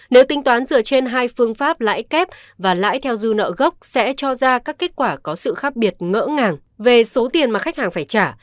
nếu tính toán dựa trên hai phương pháp lãi kép và lãi theo dư nợ gốc sẽ cho ra các kết quả có sự khác biệt ngỡ ngàng về số tiền mà khách hàng phải trả